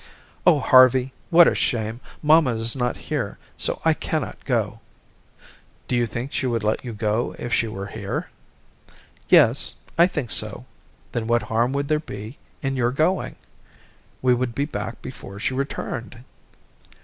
"Oh, Harvey, what a shame. Mamma is not here, so I cannot go." "Do you think she would let you go if she were here?" "Yes, I think so." "Then what harm would there be in your going? We would be back before she returned."